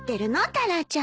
タラちゃん。